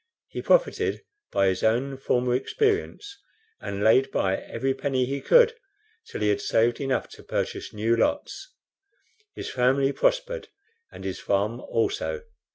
He profited by his own former experience, and laid by every penny he could till he had saved enough to purchase new lots. His family prospered, and his farm also.